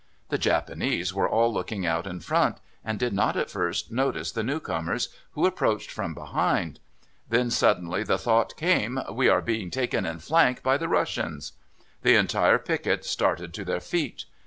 The Japanese were all looking out in front, and did not at first notice the new comers, who approached from behind. Then suddenly the thought came, "We are being taken in flank by the Russians." The entire picket started to their feet.